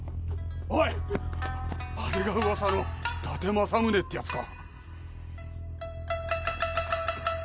あれが噂の伊達政宗ってやつか。